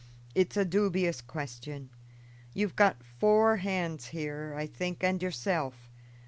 It's a dubious question. You've got four hands here, I think, and yourself.